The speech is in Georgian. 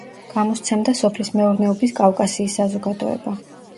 გამოსცემდა სოფლის მეურნეობის კავკასიის საზოგადოება.